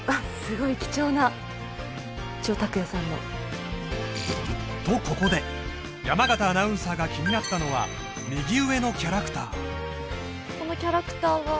すごい貴重な城拓也さんのとここで山形アナウンサーが気になったのは右上のキャラクターこのキャラクターは？